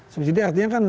subsidi artinya kan